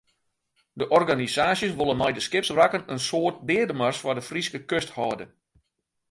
De organisaasjes wolle mei de skipswrakken in soart deademars foar de Fryske kust hâlde.